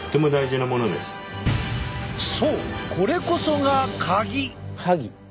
そうこれこそが鍵！